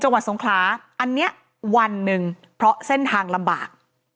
จังหวัดสงขลาอันนี้วันหนึ่งเพราะเส้นทางลำบาก